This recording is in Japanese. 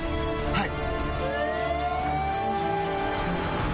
はい。